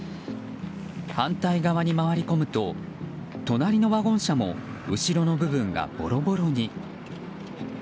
反対側に回り込むと隣のワゴン車も後ろの部分がボロボロに。